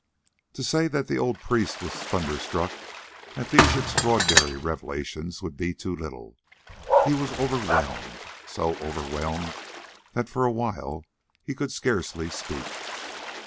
To say that the old priest was thunderstruck at these extraordinary revelations would be too little; he was overwhelmed—so overwhelmed that for a while he could scarcely speak.